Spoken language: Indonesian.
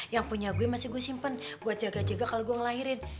yang punya gue masih gue simpen buat jaga jaga kalau gue ngelahirin